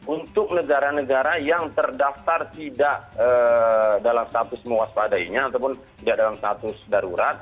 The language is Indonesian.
untuk negara negara yang terdaftar tidak dalam status mewaspadainya ataupun tidak dalam status darurat